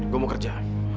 gue mau kerja